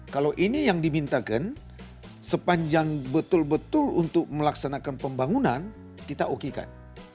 kalau ini yang dimintakan sepanjang betul betul untuk melaksanakan pembangunan kita okekan